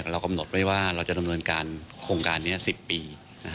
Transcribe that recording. เรากำหนดไว้ว่าเราจะดำเนินการโครงการนี้๑๐ปี